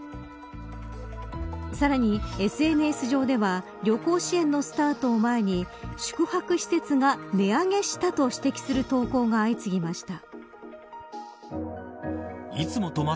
さらに、ＳＮＳ上では旅行支援のスタートを前に宿泊施設が値上げしたと指摘する投稿が相次ぎました。